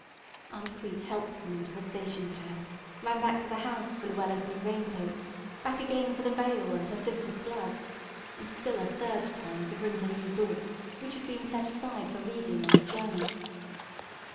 Aunt Crete helped them into the station cab, ran back to the house for Luella's new raincoat, back again for the veil and her sister's gloves, and still a third time to bring the new book, which had been set aside for reading on the journey.